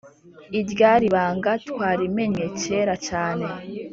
Irya ribanga twarimennye kera cyane